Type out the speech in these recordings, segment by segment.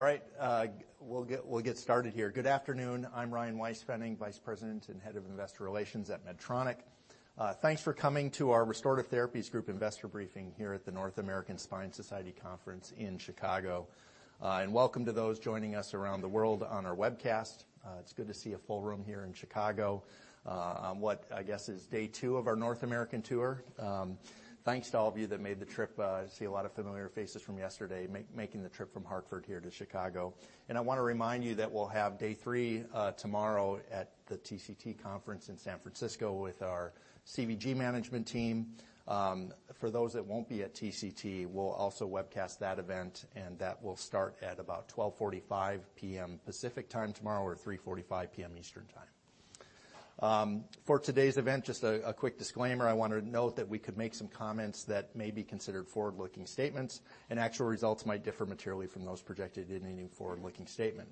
All right. We'll get started here. Good afternoon. I'm Ryan Weispfenning, Vice President and Head of Investor Relations at Medtronic. Thanks for coming to our Restorative Therapies Group Investor Briefing here at the North American Spine Society Conference in Chicago. Welcome to those joining us around the world on our webcast. It's good to see a full room here in Chicago, on what I guess is day two of our North American tour. Thanks to all of you that made the trip. I see a lot of familiar faces from yesterday, making the trip from Hartford here to Chicago. I want to remind you that we'll have day three tomorrow at the TCT Conference in San Francisco with our CVG management team. For those that won't be at TCT, we'll also webcast that event. That will start at about 12:45 P.M. Pacific Time tomorrow or 3:45 P.M. Eastern Time. For today's event, just a quick disclaimer, I want to note that we could make some comments that may be considered forward-looking statements. Actual results might differ materially from those projected in any forward-looking statement.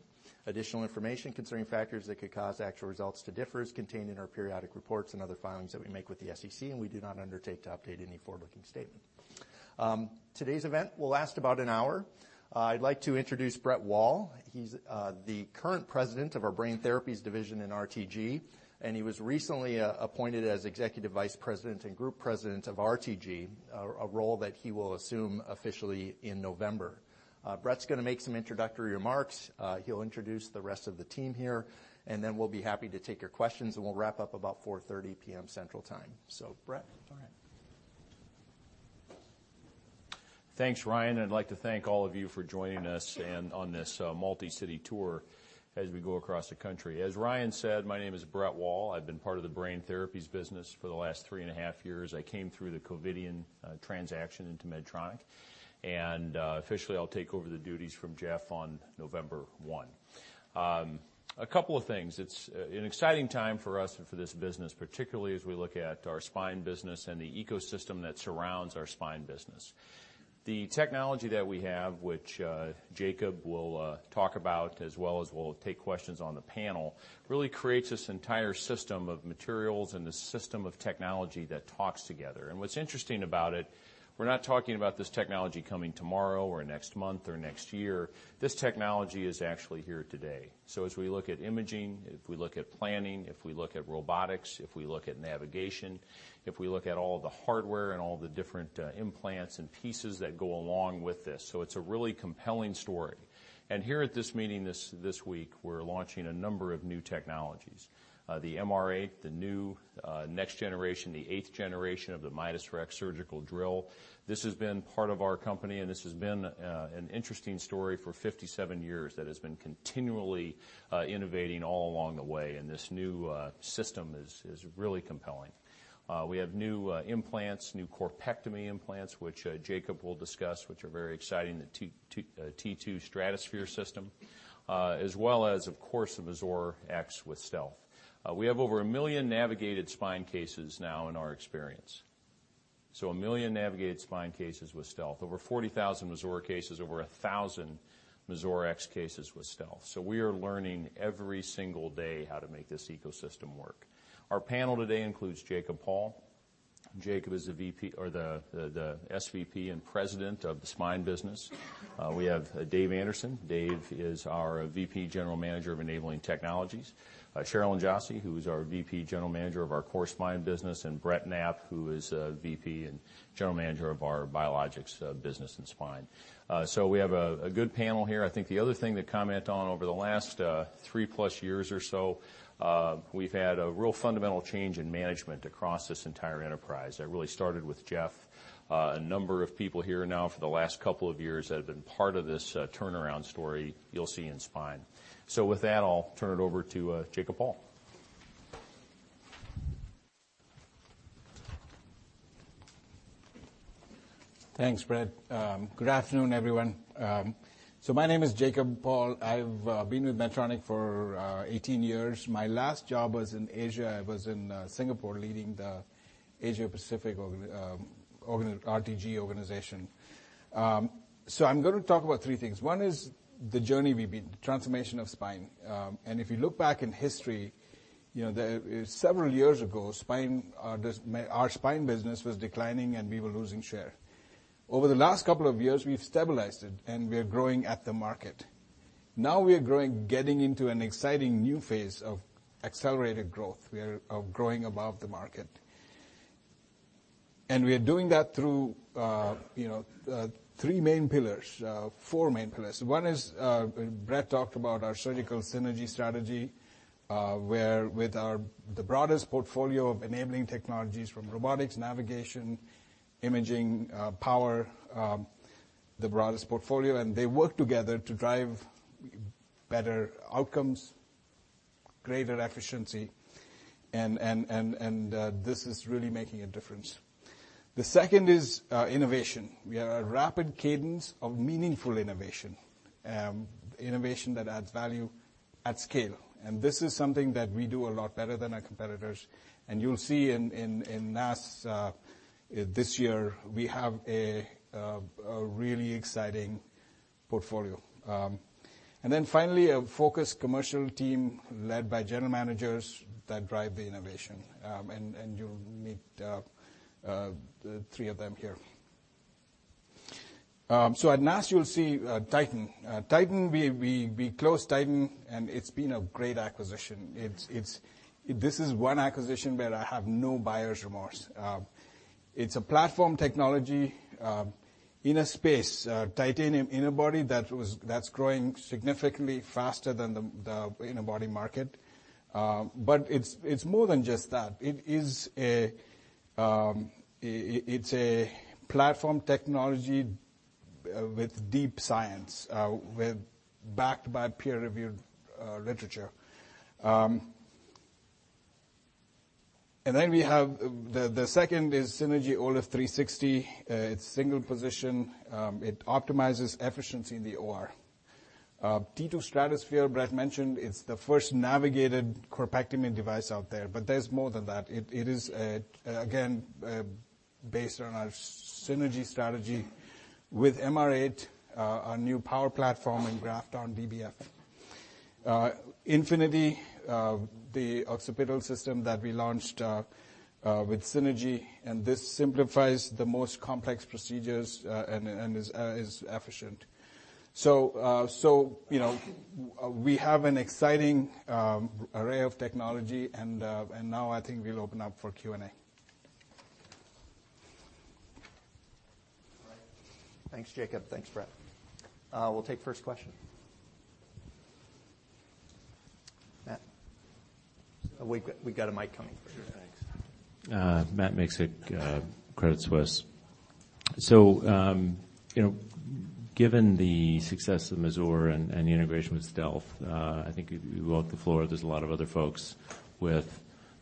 Additional information concerning factors that could cause actual results to differ is contained in our periodic reports and other filings that we make with the SEC. We do not undertake to update any forward-looking statement. Today's event will last about an hour. I'd like to introduce Brett Wall. He's the current President of our Brain Therapies division in RTG. He was recently appointed as Executive Vice President and Group President of RTG, a role that he will assume officially in November. Brett's going to make some introductory remarks. He'll introduce the rest of the team here, and then we'll be happy to take your questions, and we'll wrap up about 4:30 P.M. Central Time. Brett, go ahead. Thanks, Ryan. I'd like to thank all of you for joining us on this multi-city tour as we go across the country. As Ryan said, my name is Brett Wall. I've been part of the Brain Therapies business for the last three and a half years. I came through the Covidien transaction into Medtronic. Officially, I'll take over the duties from Geoff on November 1. A couple of things. It's an exciting time for us and for this business, particularly as we look at our spine business and the ecosystem that surrounds our spine business. The technology that we have, which Jacob will talk about, as well as we'll take questions on the panel, really creates this entire system of materials and this system of technology that talks together. What's interesting about it, we're not talking about this technology coming tomorrow or next month or next year. This technology is actually here today. As we look at imaging, if we look at planning, if we look at robotics, if we look at navigation, if we look at all the hardware and all the different implants and pieces that go along with this, so it's a really compelling story. Here at this meeting this week, we're launching a number of new technologies. The MR8, the new next generation, the eighth generation of the Midas Rex surgical drill. This has been part of our company, and this has been an interesting story for 57 years that has been continually innovating all along the way, and this new system is really compelling. We have new implants, new corpectomy implants, which Jacob will discuss, which are very exciting, the T2 Stratosphere system, as well as, of course, the Mazor X with Stealth. We have over 1 million navigated spine cases now in our experience. 1 million navigated spine cases with Stealth. Over 40,000 Mazor cases, over 1,000 Mazor X cases with Stealth. We are learning every single day how to make this ecosystem work. Our panel today includes Jacob Paul. Jacob is the SVP and President of the Spine Business. We have Dave Anderson. Dave is our VP General Manager of Enabling Technologies. Sherilyn Jossy, who is our VP General Manager of our Core Spine business, and Brett Knapp, who is VP and General Manager of our Biologics business in spine. We have a good panel here. I think the other thing to comment on, over the last 3 plus years or so, we've had a real fundamental change in management across this entire enterprise. That really started with Geoff. A number of people here now for the last couple of years that have been part of this turnaround story you'll see in spine. With that, I'll turn it over to Jacob Paul. Thanks, Brett. Good afternoon, everyone. My name is Jacob Paul. I've been with Medtronic for 18 years. My last job was in Asia. I was in Singapore leading the Asia-Pacific RTG organization. I'm going to talk about three things. One is the journey we've been, the transformation of spine. If you look back in history, several years ago, our spine business was declining, and we were losing share. Over the last couple of years, we've stabilized it, and we are growing at the market. Now we are growing, getting into an exciting new phase of accelerated growth. We are growing above the market. We are doing that through three main pillars, four main pillars. One is, Brett talked about our Surgical Synergy strategy, where with the broadest portfolio of enabling technologies from robotics, navigation, imaging, power, the broadest portfolio, and they work together to drive better outcomes, greater efficiency, and this is really making a difference. The second is innovation. We are a rapid cadence of meaningful innovation that adds value at scale. This is something that we do a lot better than our competitors. You'll see in NASS this year, we have a really exciting portfolio. Then finally, a focused commercial team led by general managers that drive the innovation. You'll meet the three of them here. At NASS you'll see Titan. We closed Titan, and it's been a great acquisition. This is one acquisition where I have no buyer's remorse. It's a platform technology in a space, titanium interbody, that's growing significantly faster than the interbody market. It's more than just that. It's a platform technology with deep science, backed by peer-reviewed literature. We have the second is Synergy OLIF360. It's single position. It optimizes efficiency in the OR. T2 STRATOSPHERE, Brett mentioned, it's the first navigated corpectomy device out there. There's more than that. It is, again, based on our Synergy strategy with MR8, our new power platform, and Grafton DBM DBF. INFINITY, the occipital system that we launched with Synergy, this simplifies the most complex procedures and is efficient. We have an exciting array of technology, and now I think we'll open up for Q&A. All right. Thanks, Jacob. Thanks, Brett. We'll take first question. Matt. We've got a mic coming for you. Sure. Thanks. Matt Miksic, Credit Suisse. Given the success of Mazor and the integration with StealthStation, I think you walked the floor, there's a lot of other folks with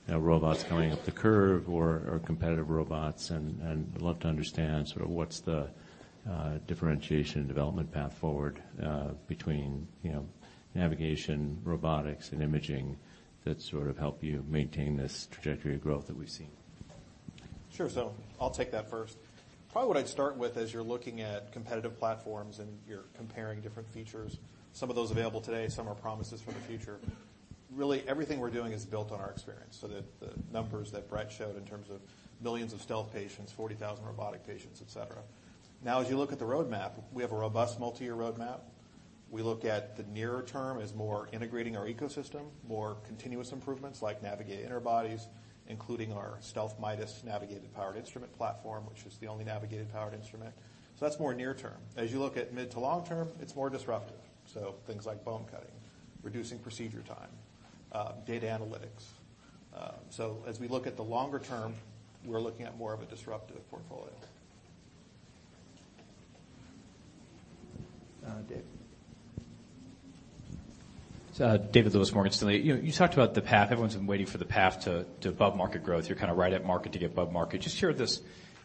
robots coming up the curve or competitive robots, and I'd love to understand sort of what's the differentiation and development path forward, between navigation, robotics, and imaging that sort of help you maintain this trajectory of growth that we've seen. Sure. I'll take that first. Probably what I'd start with as you're looking at competitive platforms and you're comparing different features, some of those available today, some are promises for the future. Really, everything we're doing is built on our experience. The numbers that Brett showed in terms of millions of StealthStation patients, 40,000 robotic patients, et cetera. Now, as you look at the roadmap, we have a robust multi-year roadmap. We look at the nearer term as more integrating our ecosystem, more continuous improvements like navigate interbodies, including our Stealth-Midas navigated powered instrument platform, which is the only navigated powered instrument. That's more near term. As you look at mid to long term, it's more disruptive, so things like bone cutting, reducing procedure time, data analytics. As we look at the longer term, we're looking at more of a disruptive portfolio. David. David Lewis, Morgan Stanley. You talked about the path. Everyone's been waiting for the path to above market growth. You're kind of right at market to get above market. Just hear this,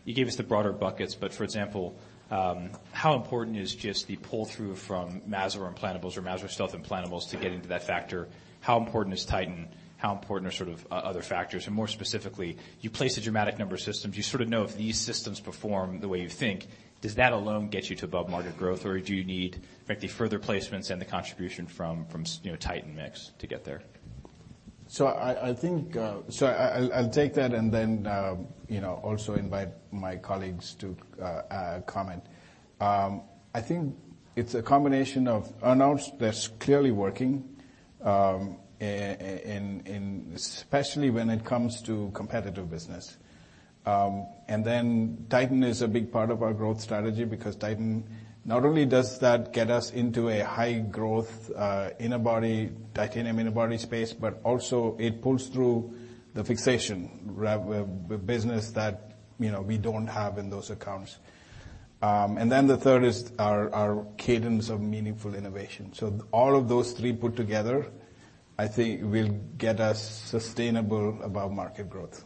you gave us the broader buckets, but for example, how important is just the pull-through from Mazor implantables or Mazor Stealth implantables to get into that factor? How important is Titan? How important are sort of other factors? More specifically, you place a dramatic number of systems. You sort of know if these systems perform the way you think, does that alone get you to above market growth or do you need, frankly, further placements and the contribution from Titan mix to get there? I'll take that and then also invite my colleagues to comment. I think it's a combination of announce that's clearly working, especially when it comes to competitive business. Titan is a big part of our growth strategy because Titan, not only does that get us into a high growth titanium interbody space, but also it pulls through the fixation business that we don't have in those accounts. The third is our cadence of meaningful innovation. All of those three put together, I think will get us sustainable above-market growth.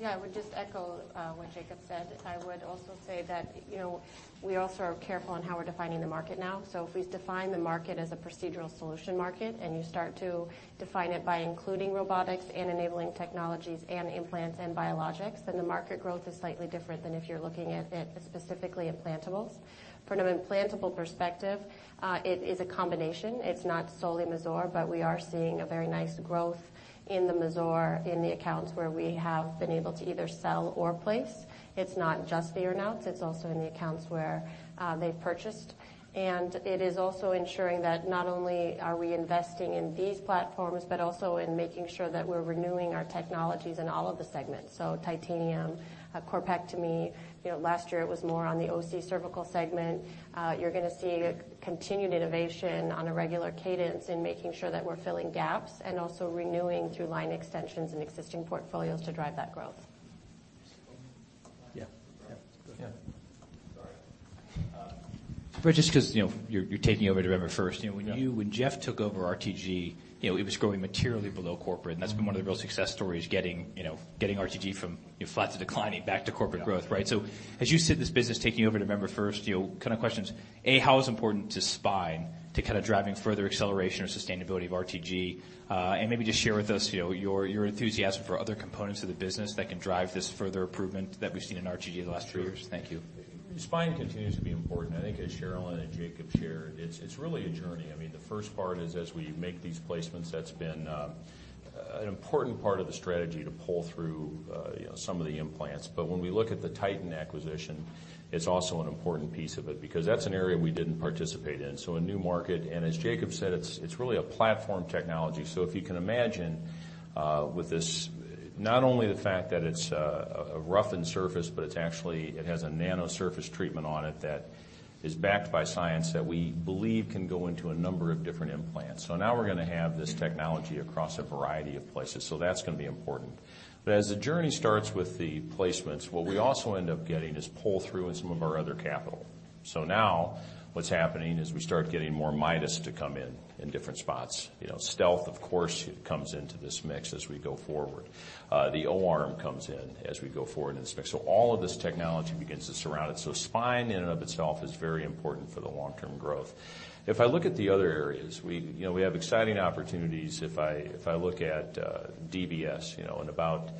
Yeah, I would just echo what Jacob said. I would also say that we also are careful on how we're defining the market now. If we define the market as a procedural solution market, and you start to define it by including robotics and Enabling Technologies and implants and Biologics, then the market growth is slightly different than if you're looking at it specifically implantables. From an implantable perspective, it is a combination. It's not solely Mazor, but we are seeing a very nice growth in the Mazor in the accounts where we have been able to either sell or place. It's not just the earn-outs, it's also in the accounts where they've purchased. It is also ensuring that not only are we investing in these platforms but also in making sure that we're renewing our technologies in all of the segments. Titanium, corpectomy, last year it was more on the OC cervical segment. You're going to see continued innovation on a regular cadence and making sure that we're filling gaps and also renewing through line extensions and existing portfolios to drive that growth. Yeah. Sorry. Just because you're taking over November 1st. When Geoff took over RTG, it was growing materially below corporate, and that's been one of the real success stories, getting RTG from flat to declining back to corporate growth, right? As you sit in this business taking over November 1st, question is, A, how important is spine to driving further acceleration or sustainability of RTG? Maybe just share with us your enthusiasm for other components of the business that can drive this further improvement that we've seen in RTG the last few years. Thank you. Spine continues to be important. I think as Sherilyn and Jacob shared, it's really a journey. The first part is as we make these placements, that's been an important part of the strategy to pull through some of the implants. When we look at the Titan acquisition, it's also an important piece of it because that's an area we didn't participate in. A new market, and as Jacob said, it's really a platform technology. If you can imagine with this, not only the fact that it's a roughened surface, but it has a nano surface treatment on it that is backed by science that we believe can go into a number of different implants. Now we're going to have this technology across a variety of places. That's going to be important. As the journey starts with the placements, what we also end up getting is pull through in some of our other capital. Now what's happening is we start getting more Midas to come in different spots. Stealth, of course, comes into this mix as we go forward. The O-arm comes in as we go forward in this mix. All of this technology begins to surround it. Spine in and of itself is very important for the long-term growth. If I look at the other areas, we have exciting opportunities. If I look at DBS, in about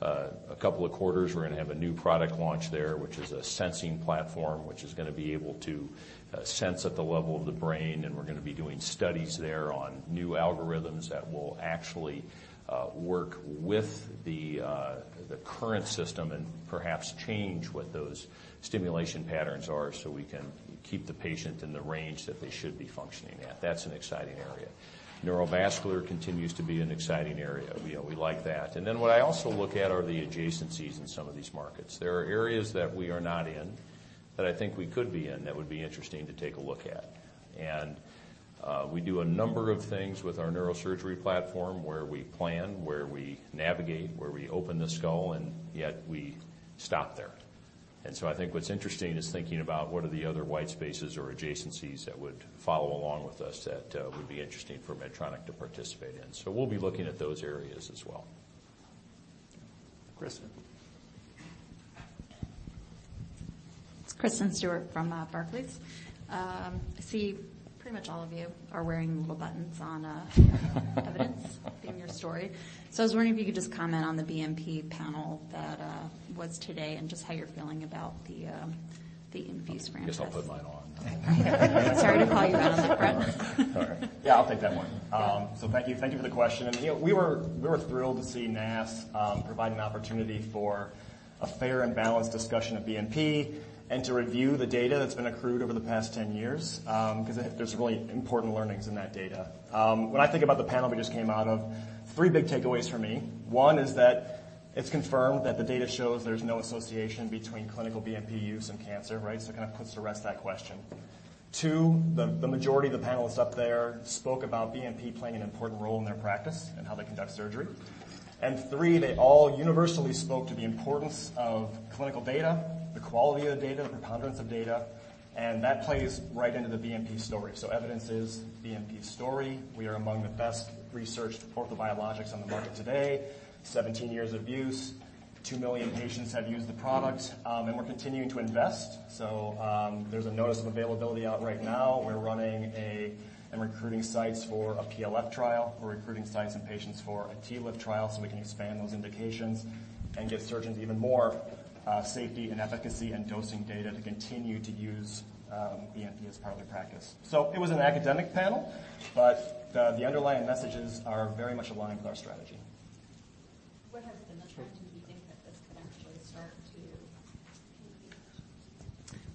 a couple of quarters, we're going to have a new product launch there, which is a sensing platform, which is going to be able to sense at the level of the brain, and we're going to be doing studies there on new algorithms that will actually work with the current system and perhaps change what those stimulation patterns are so we can keep the patient in the range that they should be functioning at. That's an exciting area. Neurovascular continues to be an exciting area. We like that. What I also look at are the adjacencies in some of these markets. There are areas that we are not in that I think we could be in that would be interesting to take a look at. We do a number of things with our neurosurgery platform where we plan, where we navigate, where we open the skull, and yet we stop there. I think what's interesting is thinking about what are the other white spaces or adjacencies that would follow along with us that would be interesting for Medtronic to participate in. We'll be looking at those areas as well. Kristen. It's Kristen Stewart from Barclays. I see pretty much all of you are wearing little buttons on evidence in your story. I was wondering if you could just comment on the BMP panel that was today and just how you're feeling about the INFUSE franchise. I guess I'll put mine on. Sorry to call you out on it, Brett. It's all right. Yeah, I'll take that one. Thank you for the question. We were thrilled to see NASS provide an opportunity for a fair and balanced discussion of BMP and to review the data that's been accrued over the past 10 years, because there's really important learnings in that data. When I think about the panel we just came out of, three big takeaways for me. One is that it's confirmed that the data shows there's no association between clinical BMP use and cancer, right? Kind of puts to rest that question. Two, the majority of the panelists up there spoke about BMP playing an important role in their practice and how they conduct surgery. Three, they all universally spoke to the importance of clinical data, the quality of the data, the preponderance of data, and that plays right into the BMP story. Evidence is BMP's story. We are among the best-researched orthobiologics on the market today. 17 years of use, 2 million patients have used the product. We're continuing to invest. There's a notice of availability out right now. We're running and recruiting sites for a PLF trial. We're recruiting sites and patients for a TLIF trial so we can expand those indications and give surgeons even more safety and efficacy and dosing data to continue to use BMP as part of their practice. It was an academic panel, but the underlying messages are very much aligned with our strategy.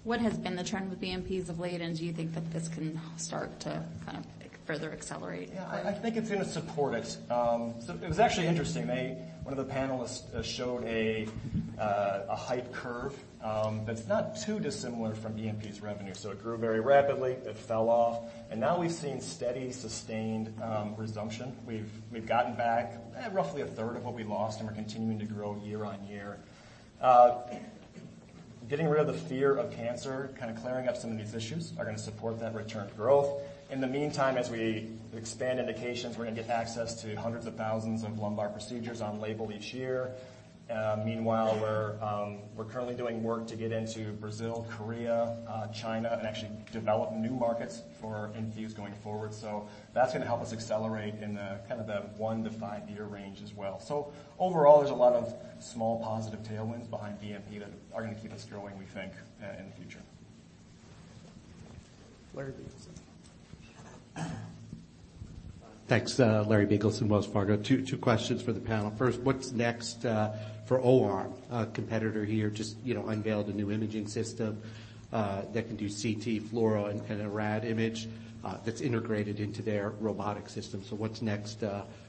What has been the trend with BMPs of late, and do you think that this can start to kind of further accelerate? Yeah, I think it's going to support it. It was actually interesting. One of the panelists showed a height curve that's not too dissimilar from BMP's revenue. It grew very rapidly, it fell off, and now we've seen steady, sustained resumption. We've gotten back roughly a third of what we lost, and we're continuing to grow year-on-year. Getting rid of the fear of cancer, kind of clearing up some of these issues are going to support that return to growth. In the meantime, as we expand indications, we're going to get access to hundreds of thousands of lumbar procedures on label each year. Meanwhile, we're currently doing work to get into Brazil, Korea, China, and actually develop new markets for INFUSE going forward. That's going to help us accelerate in the one to five-year range as well. Overall, there's a lot of small positive tailwinds behind BMP that are going to keep us growing, we think, in the future. Larry Biegelsen. Thanks. Larry Biegelsen, Wells Fargo. Two questions for the panel. First, what's next for O-arm? A competitor here just unveiled a new imaging system that can do CT, fluoro, and a rad image that's integrated into their robotic system. What's next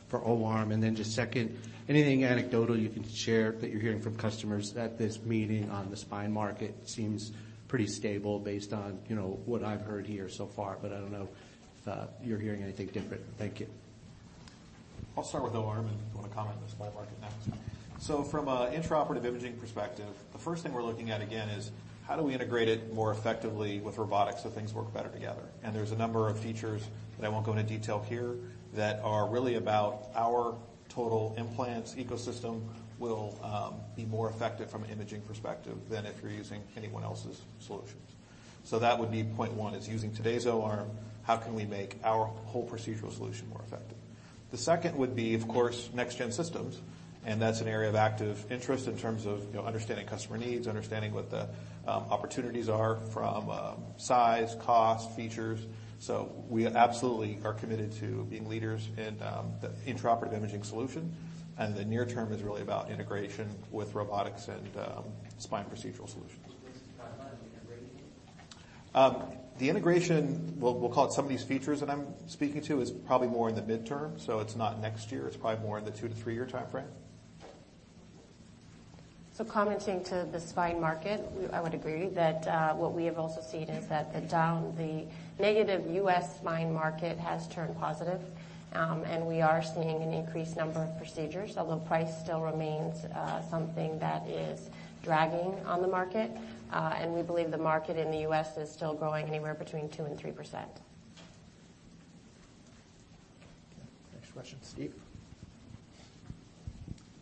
for O-arm? Just second, anything anecdotal you can share that you're hearing from customers at this meeting on the spine market? Seems pretty stable based on what I've heard here so far, but I don't know if you're hearing anything different. Thank you. I'll start with O-arm and if you want to comment on the spine market next. From an intraoperative imaging perspective, the first thing we're looking at again is how do we integrate it more effectively with robotics so things work better together. There's a number of features that I won't go into detail here that are really about our total implants ecosystem will be more effective from an imaging perspective than if you're using anyone else's solutions. That would be point 1 is using today's O-arm, how can we make our whole procedural solution more effective? The second would be, of course, next-gen systems, and that's an area of active interest in terms of understanding customer needs, understanding what the opportunities are from a size, cost, features. We absolutely are committed to being leaders in the intraoperative imaging solution. The near term is really about integration with robotics and spine procedural solutions. When's the timeline on the integration? The integration, we'll call it some of these features that I'm speaking to, is probably more in the midterm, so it's not next year. It's probably more in the 2-3-year timeframe. Commenting to the spine market, I would agree that what we have also seen is that the negative U.S. spine market has turned positive. We are seeing an increased number of procedures, although price still remains something that is dragging on the market. We believe the market in the U.S. is still growing anywhere between 2% and 3%. Okay. Next question, Steve.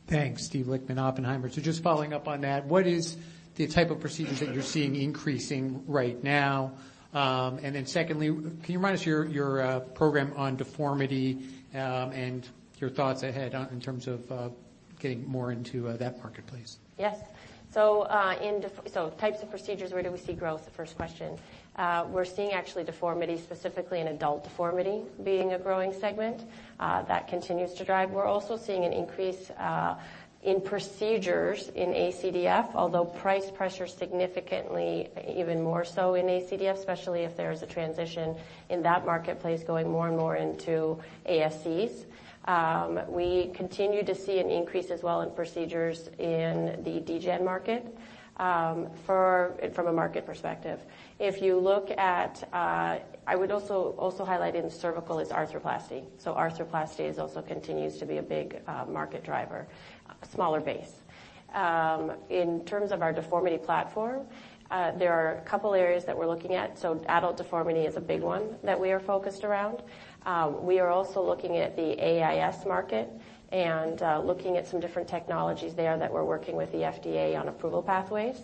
Thanks. Steven Lichtman, Oppenheimer. Just following up on that, what is the type of procedures that you're seeing increasing right now? Secondly, can you remind us your program on deformity, and your thoughts ahead in terms of getting more into that marketplace? Yes. Types of procedures, where do we see growth? The first question. We're seeing actually deformity, specifically in adult deformity, being a growing segment. That continues to drive. We're also seeing an increase in procedures in ACDF, although price pressure significantly even more so in ACDF, especially if there is a transition in that marketplace going more and more into ASCs. We continue to see an increase as well in procedures in the degenerative market from a market perspective. I would also highlight in cervical is arthroplasty. Arthroplasty also continues to be a big market driver, a smaller base. In terms of our deformity platform, there are a couple areas that we're looking at. Adult deformity is a big one that we are focused around. We are also looking at the AIS market and looking at some different technologies there that we're working with the FDA on approval pathways.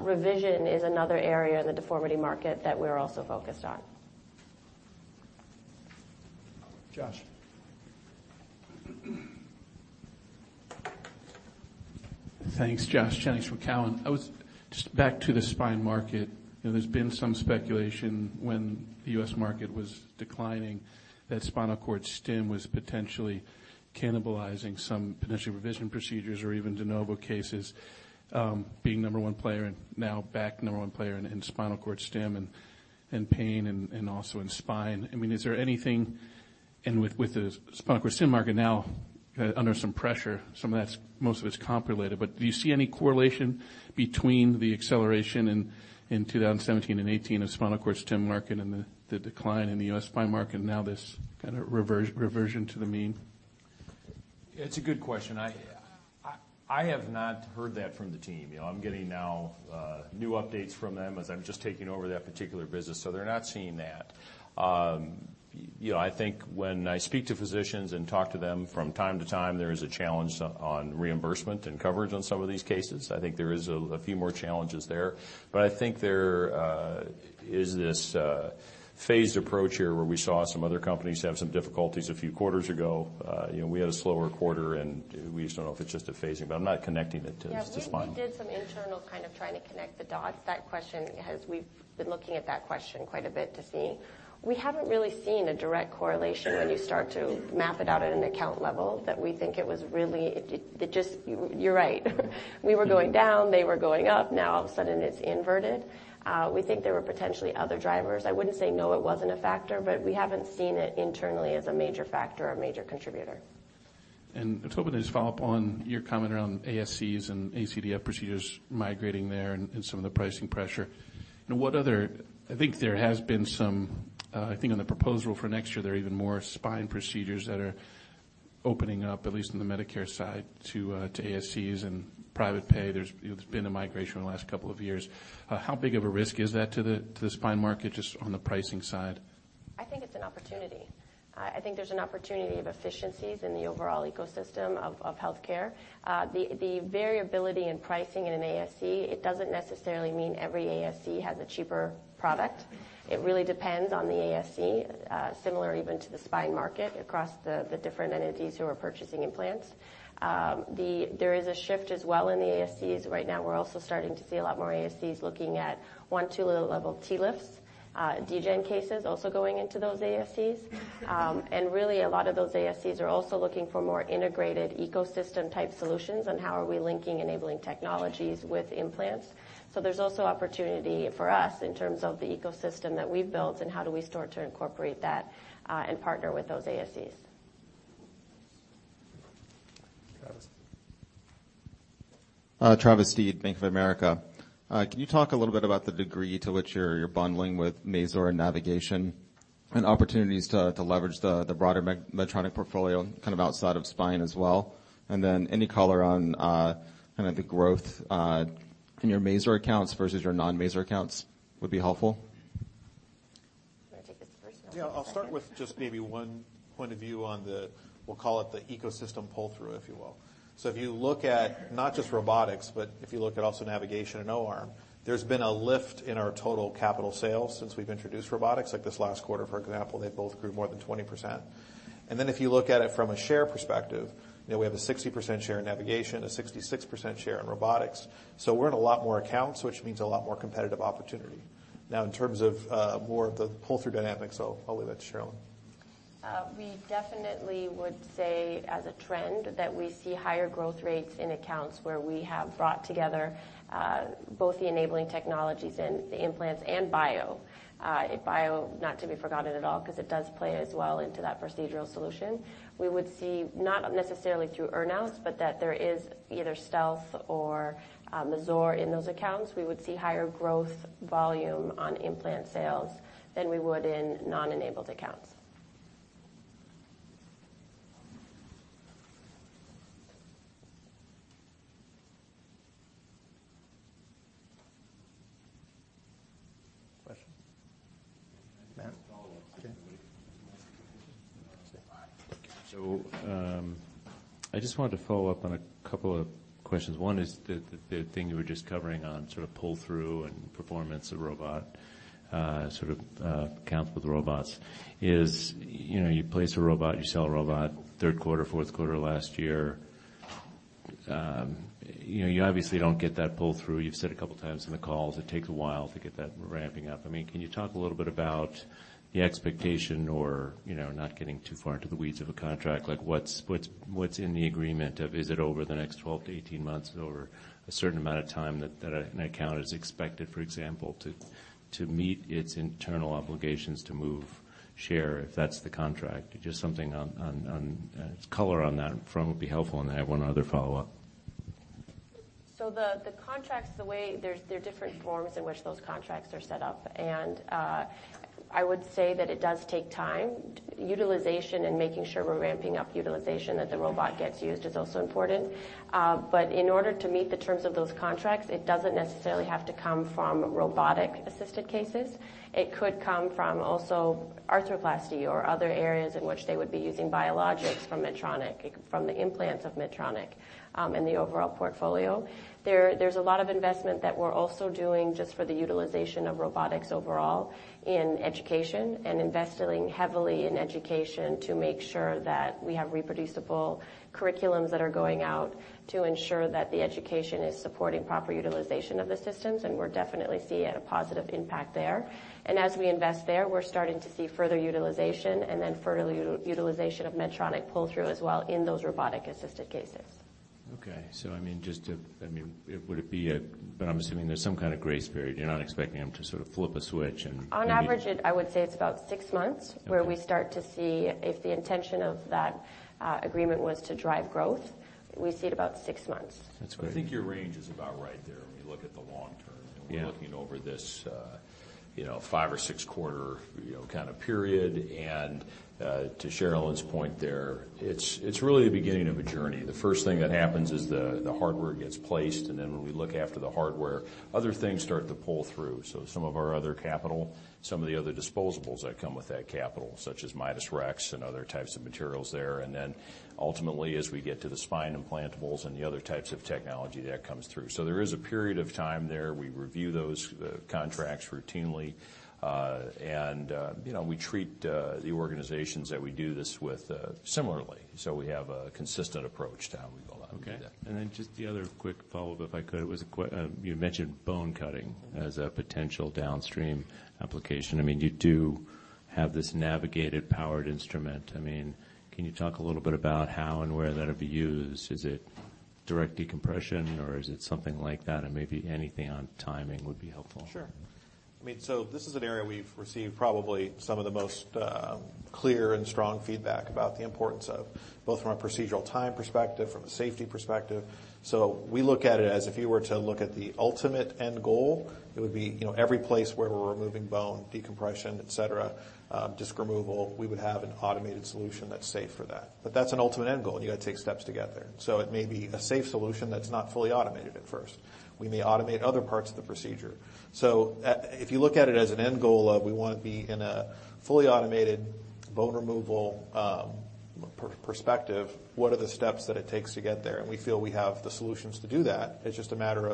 Revision is another area in the deformity market that we're also focused on. Josh. Thanks, Josh Jennings from Cowen. Just back to the spine market. There's been some speculation when the U.S. market was declining that spinal cord stim was potentially cannibalizing some potentially revision procedures or even de novo cases, being number one player and now back number one player in spinal cord stim and pain and also in spine. Is there anything, and with the spinal cord stim market now under some pressure, most of it's comp related, but do you see any correlation between the acceleration in 2017 and 2018 of spinal cord stim market and the decline in the U.S. spine market now this kind of reversion to the mean? It's a good question. I have not heard that from the team. I'm getting now new updates from them as I'm just taking over that particular business, so they're not seeing that. I think when I speak to physicians and talk to them from time to time, there is a challenge on reimbursement and coverage on some of these cases. I think there is a few more challenges there. I think there is this phased approach here where we saw some other companies have some difficulties a few quarters ago. We had a slower quarter, and we just don't know if it's just a phasing, but I'm not connecting it to spine. Yeah. We did some internal kind of trying to connect the dots. That question, as we've been looking at that question quite a bit to see. We haven't really seen a direct correlation when you start to map it out at an account level that we think it was really-- You're right. We were going down, they were going up, now all of a sudden it's inverted. We think there were potentially other drivers. I wouldn't say no, it wasn't a factor, but we haven't seen it internally as a major factor or major contributor. I was hoping to just follow up on your comment around ASCs and ACDF procedures migrating there and some of the pricing pressure, and I think on the proposal for next year, there are even more spine procedures that are opening up, at least on the Medicare side, to ASCs and private pay. There's been a migration in the last couple of years. How big of a risk is that to the spine market, just on the pricing side? I think it's an opportunity. I think there's an opportunity of efficiencies in the overall ecosystem of healthcare. The variability in pricing in an ASC, it doesn't necessarily mean every ASC has a cheaper product. It really depends on the ASC, similar even to the spine market across the different entities who are purchasing implants. There is a shift as well in the ASCs right now. We're also starting to see a lot more ASCs looking at 1, 2 level TLIFs. DeGen cases also going into those ASCs. Really a lot of those ASCs are also looking for more integrated ecosystem type solutions and how are we linking Enabling Technologies with implants. There's also opportunity for us in terms of the ecosystem that we've built and how do we start to incorporate that, and partner with those ASCs. Travis. Can you talk a little bit about the degree to which you're bundling with Mazor and navigation and opportunities to leverage the broader Medtronic portfolio outside of spine as well? Any color on the growth in your Mazor accounts versus your non-Mazor accounts would be helpful. You want to take this first and I'll take the second? Yeah, I'll start with just maybe one point of view on the, we'll call it the ecosystem pull-through, if you will. If you look at not just robotics, but if you look at also navigation and OR, there's been a lift in our total capital sales since we've introduced robotics. Like this last quarter, for example, they both grew more than 20%. If you look at it from a share perspective, we have a 60% share in navigation, a 66% share in robotics. We're in a lot more accounts, which means a lot more competitive opportunity. Now, in terms of more of the pull-through dynamics, I'll leave that to Sherilyn. We definitely would say as a trend that we see higher growth rates in accounts where we have brought together both the Enabling Technologies and the implants and Biologics. Biologics not to be forgotten at all because it does play as well into that procedural solution. We would see, not necessarily through earn-outs, but that there is either StealthStation or Mazor in those accounts. We would see higher growth volume on implant sales than we would in non-enabled accounts. Question? Matt? Okay. I just wanted to follow up on a couple of questions. One is the thing you were just covering on sort of pull-through and performance of robot, sort of accounts with robots is you place a robot, you sell a robot, third quarter, fourth quarter last year. You obviously don't get that pull-through. You've said a couple of times in the calls it takes a while to get that ramping up. Can you talk a little bit about the expectation or not getting too far into the weeds of a contract, like what's in the agreement of is it over the next 12-18 months, is it over a certain amount of time that an account is expected, for example, to meet its internal obligations to move share, if that's the contract? Just something on color on that front would be helpful. I have one other follow-up. The contracts, there are different forms in which those contracts are set up, and I would say that it does take time. Utilization and making sure we're ramping up utilization that the robot gets used is also important. In order to meet the terms of those contracts, it doesn't necessarily have to come from robotic-assisted cases. It could come from also arthroplasty or other areas in which they would be using Biologics from Medtronic, from the implants of Medtronic, and the overall portfolio. There's a lot of investment that we're also doing just for the utilization of robotics overall in education and investing heavily in education to make sure that we have reproducible curriculums that are going out to ensure that the education is supporting proper utilization of the systems, and we're definitely seeing a positive impact there. As we invest there, we're starting to see further utilization and then further utilization of Medtronic pull-through as well in those robotic-assisted cases. Okay. I'm assuming there's some kind of grace period. You're not expecting them to sort of flip a switch. On average, I would say it's about six months. Okay where we start to see if the intention of that agreement was to drive growth. We see it about six months. That's great. I think your range is about right there when you look at the long term. Yeah. When we're looking over this five or six quarter kind of period, and to Sherilyn's point there, it's really the beginning of a journey. The first thing that happens is the hardware gets placed, and then when we look after the hardware, other things start to pull through. Some of our other capital, some of the other disposables that come with that capital, such as Midas Rex and other types of materials there, and then ultimately, as we get to the spine implantables and the other types of technology that comes through. There is a period of time there. We review those contracts routinely, and we treat the organizations that we do this with similarly. We have a consistent approach to how we go about doing that. Okay. Just the other quick follow-up, if I could. You mentioned bone cutting as a potential downstream application. You do have this navigated powered instrument. Can you talk a little bit about how and where that'll be used? Is it direct decompression, or is it something like that? Maybe anything on timing would be helpful. Sure. This is an area we've received probably some of the most clear and strong feedback about the importance of both from a procedural time perspective, from a safety perspective. We look at it as if you were to look at the ultimate end goal, it would be every place where we're removing bone decompression, et cetera, disc removal, we would have an automated solution that's safe for that. That's an ultimate end goal, and you've got to take steps to get there. It may be a safe solution that's not fully automated at first. We may automate other parts of the procedure. If you look at it as an end goal of we want to be in a fully automated bone removal perspective, what are the steps that it takes to get there? We feel we have the solutions to do that. It's just a matter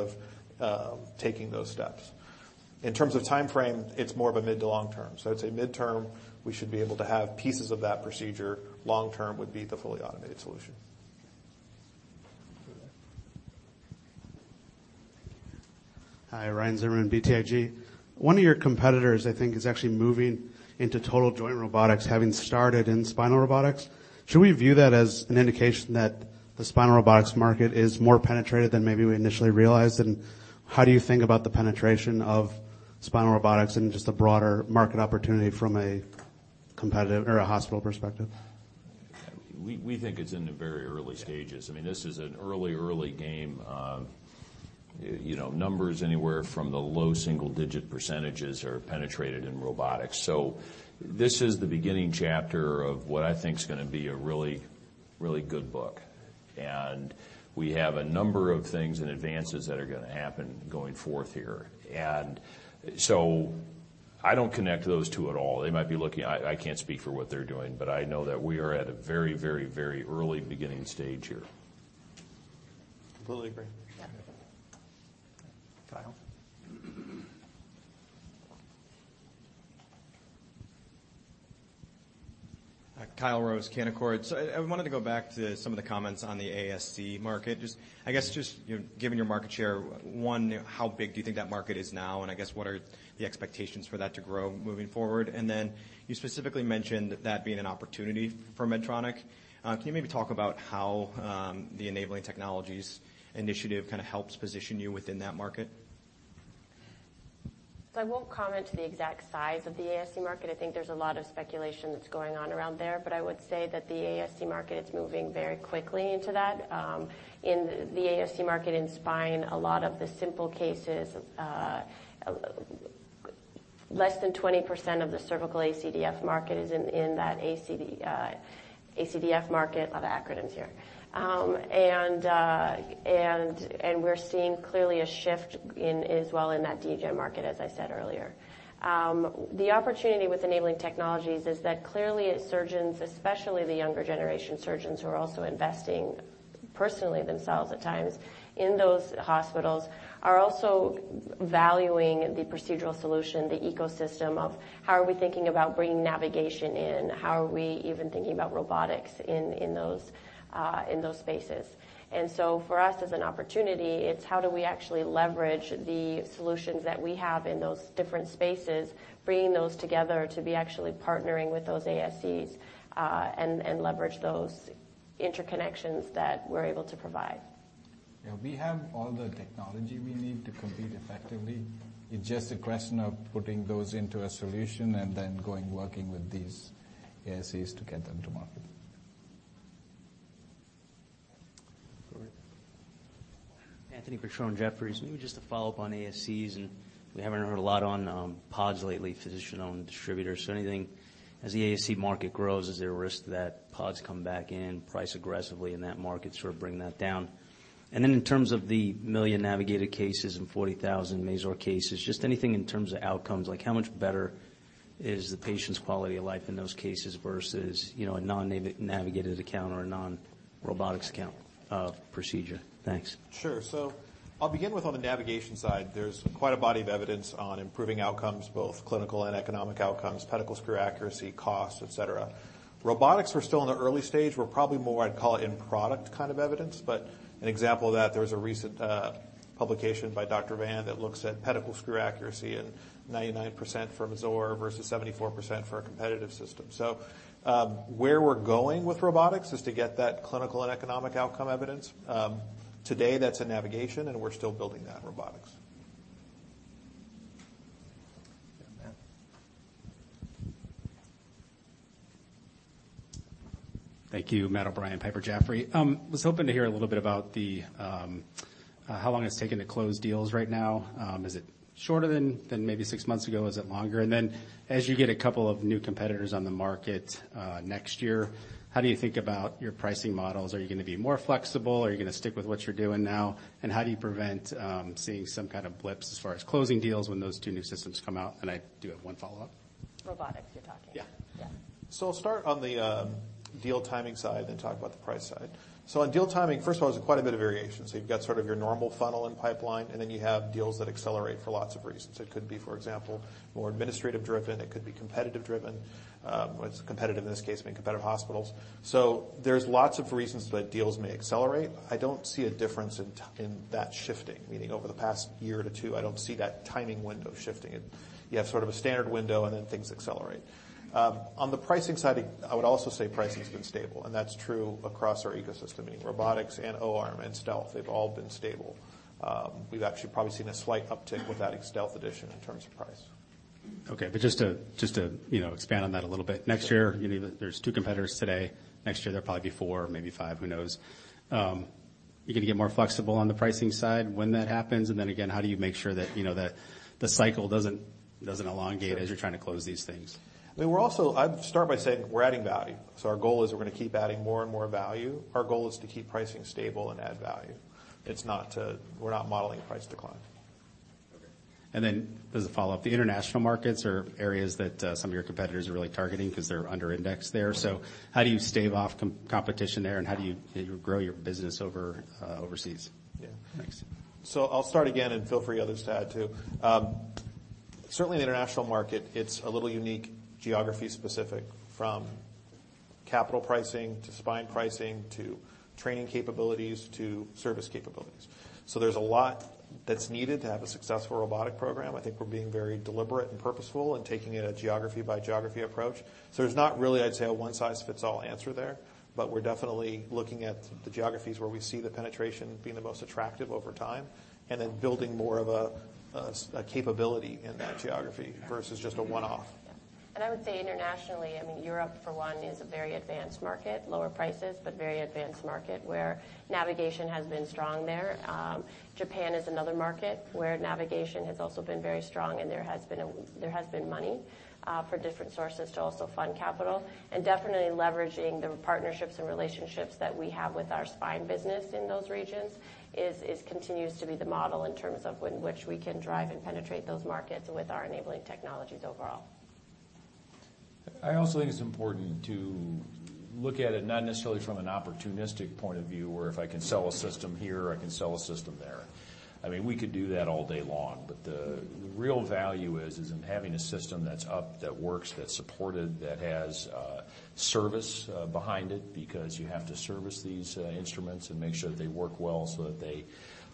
of taking those steps. In terms of timeframe, it's more of a mid to long term. I'd say midterm, we should be able to have pieces of that procedure. Long term would be the fully automated solution. Over there. Thank you. Hi, Ryan Zimmerman, BTIG. One of your competitors, I think, is actually moving into total joint robotics, having started in spinal robotics. Should we view that as an indication that the spinal robotics market is more penetrated than maybe we initially realized? How do you think about the penetration of spinal robotics and just the broader market opportunity from a competitive or a hospital perspective? We think it's in the very early stages. This is an early game. Numbers anywhere from the low single-digit % are penetrated in robotics. This is the beginning chapter of what I think is going to be a really good book. We have a number of things and advances that are going to happen going forth here. I don't connect those two at all. I can't speak for what they're doing, but I know that we are at a very early beginning stage here. Completely agree. Yeah. Kyle? Kyle Rose, Canaccord. I wanted to go back to some of the comments on the ASC market. Just, I guess, just given your market share, one, how big do you think that market is now? I guess what are the expectations for that to grow moving forward? You specifically mentioned that being an opportunity for Medtronic. Can you maybe talk about how the Enabling Technologies initiative kind of helps position you within that market? I won't comment to the exact size of the ASC market. I think there's a lot of speculation that's going on around there. I would say that the ASC market is moving very quickly into that. In the ASC market in spine, a lot of the simple cases, less than 20% of the cervical ACDF market is in that ACDF market. A lot of acronyms here. We're seeing clearly a shift as well in that DeGen market, as I said earlier. The opportunity with Enabling Technologies is that clearly surgeons, especially the younger generation surgeons who are also investing personally themselves at times in those hospitals, are also valuing the procedural solution, the ecosystem of how are we thinking about bringing navigation in, how are we even thinking about robotics in those spaces. For us as an opportunity, it's how do we actually leverage the solutions that we have in those different spaces, bringing those together to be actually partnering with those ASCs, and leverage those interconnections that we're able to provide. Yeah, we have all the technology we need to compete effectively. It's just a question of putting those into a solution and then going working with these ASCs to get them to market. Go ahead. Anthony Petrone, Jefferies. Maybe just to follow up on ASCs, and we haven't heard a lot on PODs lately, physician-owned distributors. Anything as the ASC market grows, is there a risk that PODs come back in price aggressively in that market, sort of bring that down? Then in terms of the 1 million navigated cases and 40,000 Mazor cases, just anything in terms of outcomes, like how much better is the patient's quality of life in those cases versus a non-navigated account or a non-robotics account procedure? Thanks. Sure. I'll begin with on the navigation side, there's quite a body of evidence on improving outcomes, both clinical and economic outcomes, pedicle screw accuracy, cost, et cetera. Robotics, we're still in the early stage. We're probably more, I'd call it in product kind of evidence. An example of that, there was a recent publication by Dr. Van that looks at pedicle screw accuracy and 99% for Mazor versus 74% for a competitive system. Where we're going with robotics is to get that clinical and economic outcome evidence. Today, that's in navigation, and we're still building that robotics. Matt. Thank you. Matt O'Brien, Piper Sandler. I was hoping to hear a little bit about how long it's taking to close deals right now. Is it shorter than maybe six months ago? Is it longer? As you get a couple of new competitors on the market next year, how do you think about your pricing models? Are you going to be more flexible? Are you going to stick with what you're doing now? How do you prevent seeing some kind of blips as far as closing deals when those two new systems come out? I do have one follow-up. Robotics, you're talking. Yeah. Yeah. I'll start on the deal timing side, then talk about the price side. On deal timing, first of all, there's quite a bit of variation. You've got sort of your normal funnel and pipeline, and then you have deals that accelerate for lots of reasons. It could be, for example, more administrative driven, it could be competitive driven. It's competitive in this case, I mean, competitive hospitals. There's lots of reasons that deals may accelerate. I don't see a difference in that shifting, meaning over the past year to 2, I don't see that timing window shifting. You have sort of a standard window, and then things accelerate. On the pricing side, I would also say pricing's been stable, and that's true across our ecosystem, meaning robotics and OR and Stealth. They've all been stable. We've actually probably seen a slight uptick with that Stealth Edition in terms of price. Okay. Just to expand on that a little bit. There's two competitors today. Next year, there'll probably be four, maybe five, who knows? You going to get more flexible on the pricing side when that happens? Again, how do you make sure that the cycle doesn't elongate as you're trying to close these things? I'd start by saying we're adding value. Our goal is we're going to keep adding more and more value. Our goal is to keep pricing stable and add value. We're not modeling price decline. Okay. As a follow-up, the international markets are areas that some of your competitors are really targeting because they're under indexed there. How do you stave off competition there, and how do you grow your business overseas? Yeah. Thanks. I'll start again, and feel free, others, to add, too. Certainly in the international market, it's a little unique, geography specific, from capital pricing to spine pricing to training capabilities to service capabilities. There's a lot that's needed to have a successful robotic program. I think we're being very deliberate and purposeful in taking a geography by geography approach. There's not really, I'd say, a one-size-fits-all answer there, but we're definitely looking at the geographies where we see the penetration being the most attractive over time, and then building more of a capability in that geography versus just a one-off. I would say internationally, Europe for one, is a very advanced market, lower prices, but very advanced market where navigation has been strong there. Japan is another market where navigation has also been very strong, and there has been money for different sources to also fund capital. Definitely leveraging the partnerships and relationships that we have with our spine business in those regions continues to be the model in terms of which we can drive and penetrate those markets with our Enabling Technologies overall. I also think it's important to look at it not necessarily from an opportunistic point of view, where if I can sell a system here, I can sell a system there. We could do that all day long. The real value is in having a system that's up, that works, that's supported, that has service behind it, because you have to service these instruments and make sure that they work well so that they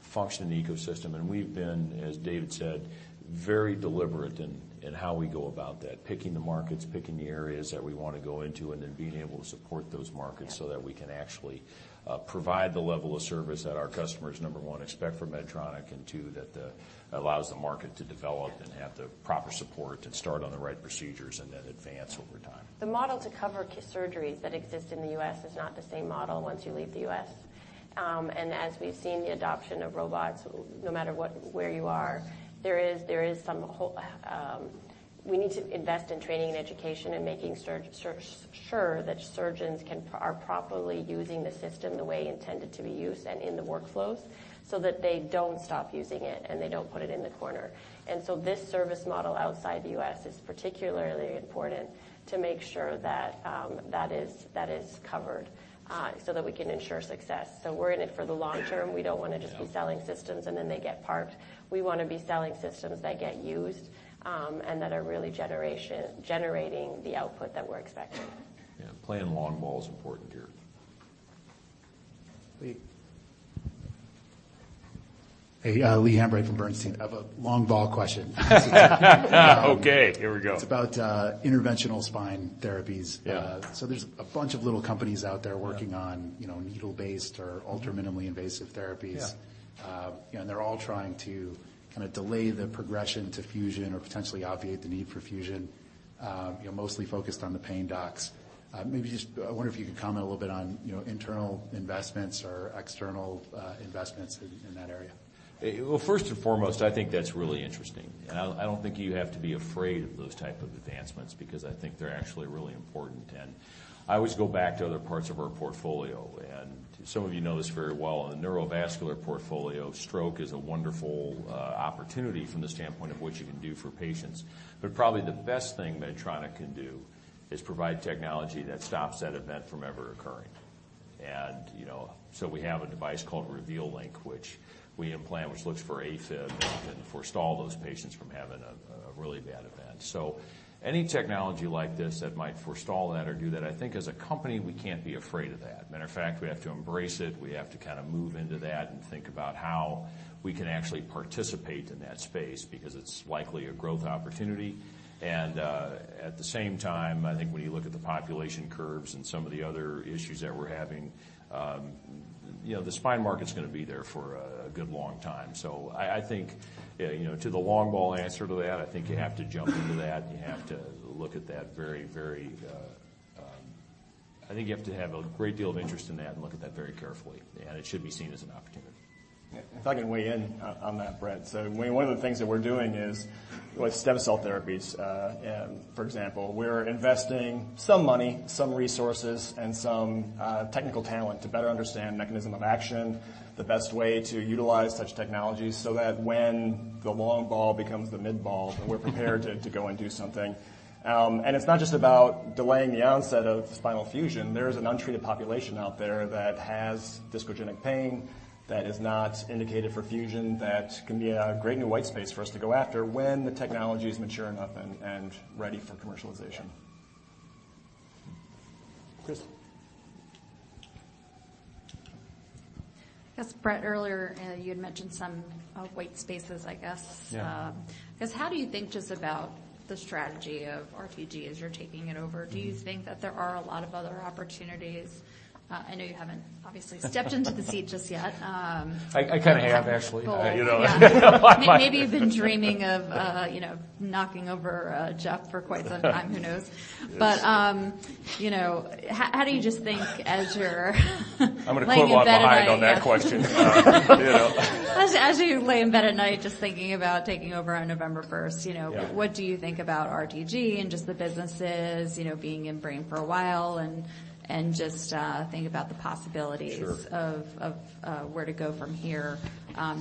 function in the ecosystem. We've been, as David said, very deliberate in how we go about that, picking the markets, picking the areas that we want to go into, and then being able to support those markets so that we can actually provide the level of service that our customers, number 1, expect from Medtronic, and 2, that allows the market to develop and have the proper support and start on the right procedures and then advance over time. The model to cover surgeries that exist in the U.S. is not the same model once you leave the U.S. As we've seen the adoption of robots, no matter where you are, we need to invest in training and education and making sure that surgeons are properly using the system the way intended to be used and in the workflows so that they don't stop using it, and they don't put it in the corner. This service model outside the U.S. is particularly important to make sure that is covered so that we can ensure success. We're in it for the long term. We don't want to just be selling systems, and then they get parked. We want to be selling systems that get used, and that are really generating the output that we're expecting. Yeah, playing long ball is important here. Lee. Hey, Lee Hambright from Bernstein. I have a long ball question. Okay, here we go. It's about interventional spine therapies. Yeah. There's a bunch of little companies out there working on needle-based or ultra minimally invasive therapies. Yeah. They're all trying to delay the progression to fusion or potentially obviate the need for fusion, mostly focused on the pain docs. Maybe just, I wonder if you could comment a little bit on internal investments or external investments in that area. Well, first and foremost, I think that's really interesting, and I don't think you have to be afraid of those type of advancements because I think they're actually really important. I always go back to other parts of our portfolio, and some of you know this very well. In the neurovascular portfolio, stroke is a wonderful opportunity from the standpoint of what you can do for patients. Probably the best thing Medtronic can do is provide technology that stops that event from ever occurring. We have a device called Reveal LINQ, which we implant, which looks for AFib and can forestall those patients from having a really bad event. Any technology like this that might forestall that or do that, I think as a company, we can't be afraid of that. Matter of fact, we have to embrace it. We have to move into that and think about how we can actually participate in that space because it's likely a growth opportunity. At the same time, I think when you look at the population curves and some of the other issues that we're having, the spine market's going to be there for a good long time. I think, to the long ball answer to that, I think you have to jump into that, and you have to look at that very, I think you have to have a great deal of interest in that and look at that very carefully. It should be seen as an opportunity. If I can weigh in on that, Brett. One of the things that we're doing is with stem cell therapies, for example. We're investing some money, some resources, and some technical talent to better understand mechanism of action, the best way to utilize such technologies, so that when the long ball becomes the mid ball, that we're prepared to go and do something. It's not just about delaying the onset of spinal fusion. There is an untreated population out there that has discogenic pain that is not indicated for fusion. That can be a great new white space for us to go after when the technology is mature enough and ready for commercialization. Kristen. I guess, Brett, earlier you had mentioned some white spaces, I guess. Yeah. How do you think just about the strategy of RTG as you're taking it over? Do you think that there are a lot of other opportunities? I know you haven't obviously stepped into the seat just yet. I kind of have, actually. Maybe you've been dreaming of knocking over Geoff for quite some time. Who knows? How do you just think as you're. I'm going to put a lot behind on that question. As you lay in bed at night just thinking about taking over on November 1st Yeah What do you think about RTG and just the businesses, being in Brain for a while and just think about the possibilities? Sure of where to go from here.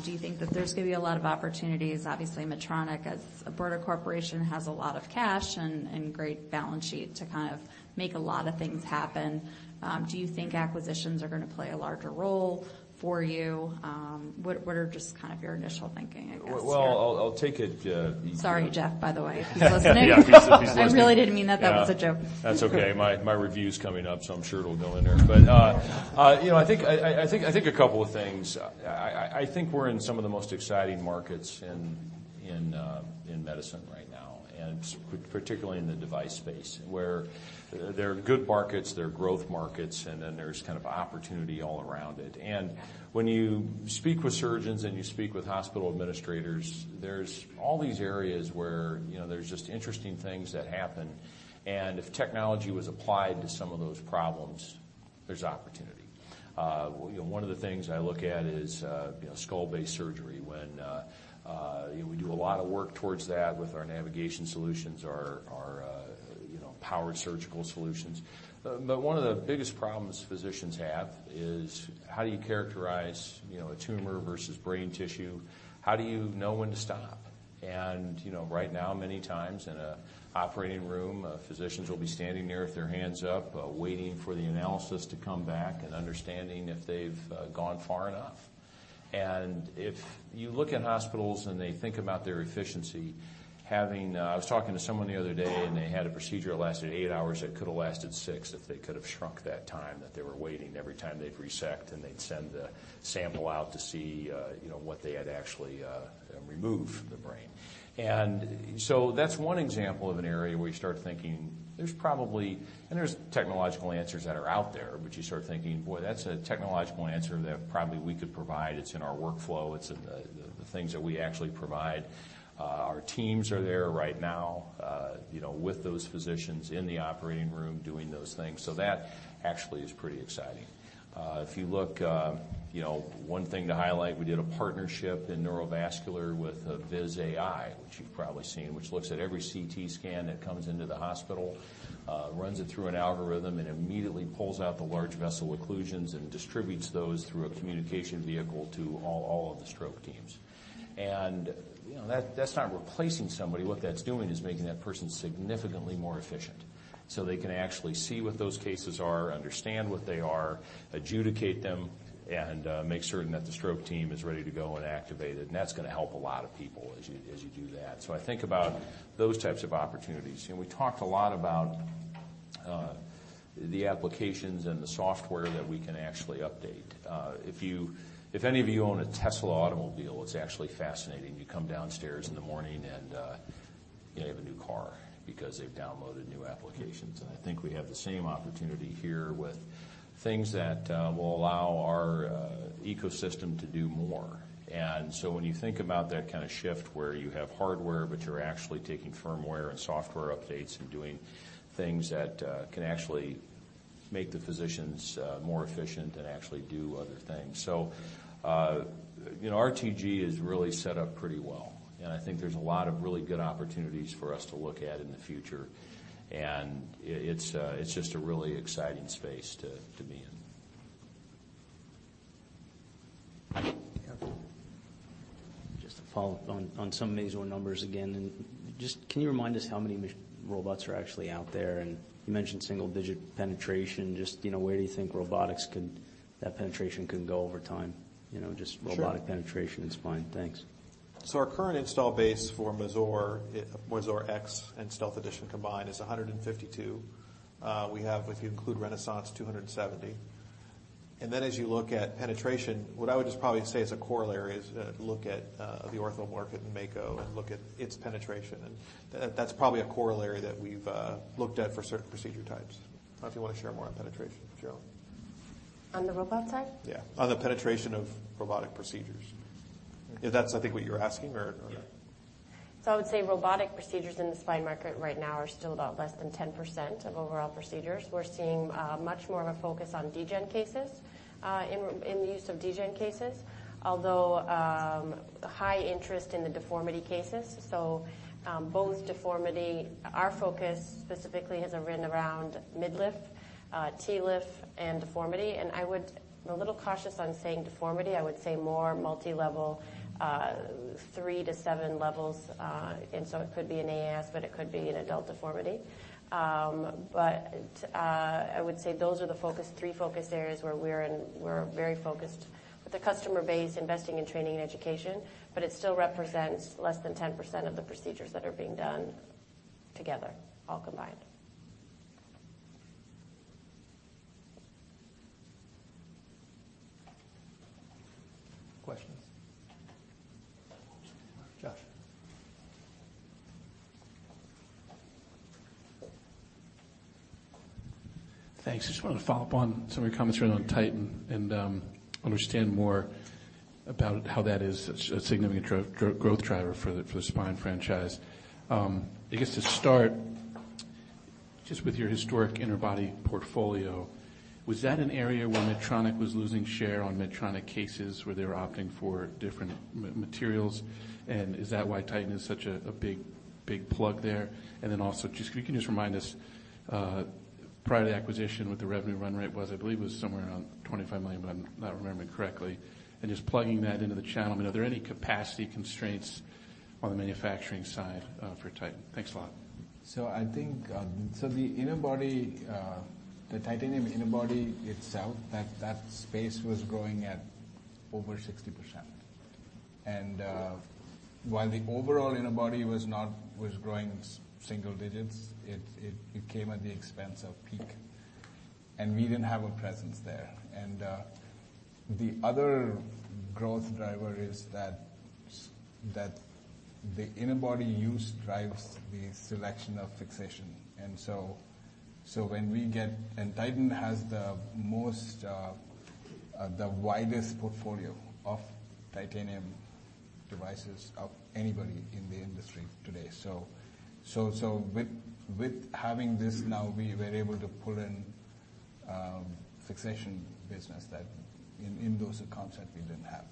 Do you think that there's going to be a lot of opportunities? Obviously, Medtronic, as a broader corporation, has a lot of cash and great balance sheet to make a lot of things happen. Do you think acquisitions are going to play a larger role for you? What are just kind of your initial thinking, I guess here? Well, I'll take it. Sorry, Geoff, by the way, if he's listening. Yeah, if he's listening. I really didn't mean that. That was a joke. That's okay. My review's coming up, so I'm sure it'll go in there. I think a couple of things. I think we're in some of the most exciting markets in medicine right now, and particularly in the device space, where there are good markets, there are growth markets, and then there's kind of opportunity all around it. When you speak with surgeons and you speak with hospital administrators, there's all these areas where there's just interesting things that happen, if technology was applied to some of those problems. There's opportunity. One of the things I look at is skull-based surgery. We do a lot of work towards that with our navigation solutions, our powered surgical solutions. One of the biggest problems physicians have is how do you characterize a tumor versus brain tissue? How do you know when to stop? Right now, many times in an operating room, physicians will be standing there with their hands up, waiting for the analysis to come back and understanding if they've gone far enough. If you look at hospitals and they think about their efficiency, having I was talking to someone the other day, and they had a procedure that lasted 8 hours that could've lasted 6 if they could've shrunk that time that they were waiting every time they'd resect, and they'd send the sample out to see what they had actually removed from the brain. That's one example of an area where you start thinking there's probably, and there's technological answers that are out there, but you start thinking, boy, that's a technological answer that probably we could provide. It's in our workflow. It's in the things that we actually provide. Our teams are there right now with those physicians in the operating room doing those things. That actually is pretty exciting. If you look, one thing to highlight, we did a partnership in neurovascular with Viz.ai, which you've probably seen, which looks at every CT scan that comes into the hospital, runs it through an algorithm, and immediately pulls out the large vessel occlusions and distributes those through a communication vehicle to all of the stroke teams. That's not replacing somebody. What that's doing is making that person significantly more efficient so they can actually see what those cases are, understand what they are, adjudicate them, and make certain that the stroke team is ready to go and activated. That's going to help a lot of people as you do that. I think about those types of opportunities. We talked a lot about the applications and the software that we can actually update. If any of you own a Tesla automobile, it's actually fascinating. You come downstairs in the morning, and you have a new car because they've downloaded new applications. I think we have the same opportunity here with things that will allow our ecosystem to do more. When you think about that kind of shift where you have hardware, but you're actually taking firmware and software updates and doing things that can actually make the physicians more efficient and actually do other things. RTG is really set up pretty well, and I think there's a lot of really good opportunities for us to look at in the future. It's just a really exciting space to be in. To follow up on some of these numbers again, can you remind us how many robots are actually out there? You mentioned single-digit penetration. Where do you think that penetration can go over time? Robotic penetration in spine. Thanks. Our current install base for Mazor X and Stealth Edition combined is 152. We have, if you include Renaissance, 270. As you look at penetration, what I would just probably say as a corollary is look at the ortho market in Mako and look at its penetration. That's probably a corollary that we've looked at for certain procedure types. I don't know if you want to share more on penetration, Sherilyn. On the robot side? Yeah. On the penetration of robotic procedures. That's I think what you're asking or- I would say robotic procedures in the spine market right now are still about less than 10% of overall procedures. We're seeing much more of a focus on degen cases, in the use of degen cases. Although high interest in the deformity cases. Both deformity. Our focus specifically has been around mid lift, TLIF, and deformity, and I'm a little cautious on saying deformity. I would say more multi-level, 3 to 7 levels, and it could be an AIS, but it could be an adult deformity. I would say those are the three focus areas where we're very focused with the customer base, investing in training and education. It still represents less than 10% of the procedures that are being done together, all combined. Questions? Josh. Thanks. I just wanted to follow up on some of your comments around Titan and understand more about how that is a significant growth driver for the spine franchise. I guess to start just with your historic interbody portfolio, was that an area where Medtronic was losing share on Medtronic cases where they were opting for different materials? Is that why Titan is such a big plug there? Can you just remind us, prior to the acquisition, what the revenue run rate was? I believe it was somewhere around $25 million, but I'm not remembering correctly. Just plugging that into the channel, are there any capacity constraints on the manufacturing side for Titan? Thanks a lot. I think the titanium interbody itself, that space was growing at over 60%. While the overall interbody was growing single digits, it came at the expense of PEEK, and we didn't have a presence there. The other growth driver is that the interbody use drives the selection of fixation. Titan has the widest portfolio of titanium devices of anybody in the industry today. With having this now, we were able to pull in fixation business that in those accounts that we didn't have.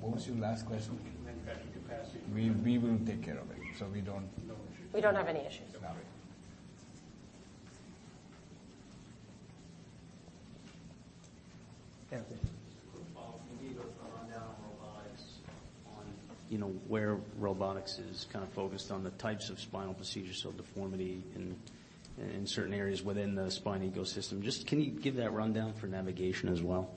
What was your last question? Manufacturing capacity. We will take care of it. We don't have any issues. No. Anthony. Can you give a rundown on robotics on where robotics is focused on the types of spinal procedures, so deformity in certain areas within the spine ecosystem? Just can you give that rundown for navigation as well?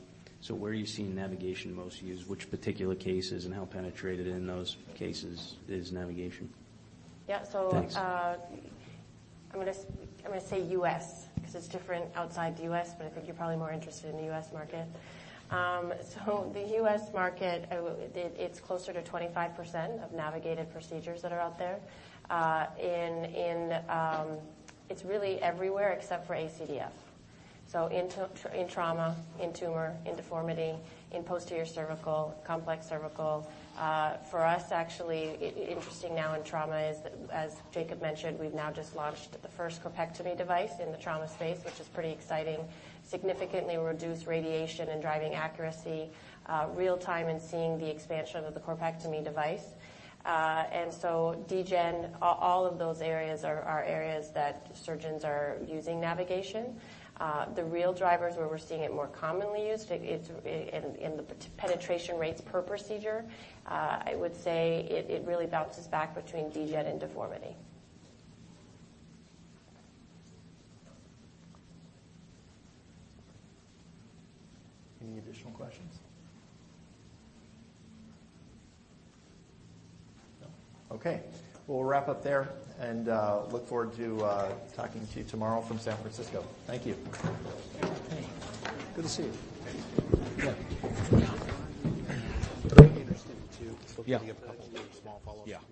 Where are you seeing navigation most used, which particular cases, and how penetrated in those cases is navigation? Yeah. Thanks. I'm going to say U.S. because it's different outside the U.S., but I think you're probably more interested in the U.S. market. The U.S. market, it's closer to 25% of navigated procedures that are out there. It's really everywhere except for ACDF. In trauma, in tumor, in deformity, in posterior cervical, complex cervical. For us, actually, interesting now in trauma is, as Jacob mentioned, we've now just launched the first corpectomy device in the trauma space, which is pretty exciting. Significantly reduced radiation and driving accuracy, real-time in seeing the expansion of the corpectomy device. Degen, all of those areas are areas that surgeons are using navigation. The real drivers where we're seeing it more commonly used is in the penetration rates per procedure. I would say it really bounces back between degen and deformity. Any additional questions? No. Okay. We'll wrap up there and look forward to talking to you tomorrow from San Francisco. Thank you. Hey, good to see you. Thanks. Yeah. Yeah. It would be interesting to. Yeah. We have a couple small follow-ups from people online because that's information.